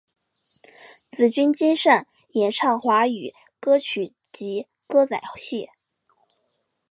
紫君兼擅演唱华语歌曲及歌仔戏。